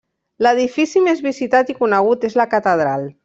L'edifici més visitat i conegut és la catedral.